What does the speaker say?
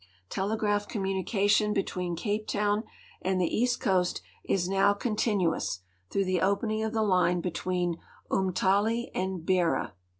Telegraph communication between Cape Town and the East Coast is now continu ous, through tlie opening of the line lietween Unitali and Beira.